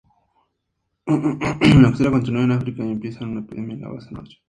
La historia continúa en África y empieza una epidemia en la base madre.